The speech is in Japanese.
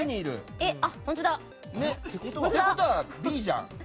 ってことはＢじゃん。